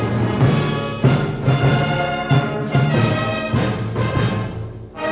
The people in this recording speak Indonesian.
lagu kebangsaan indonesia raya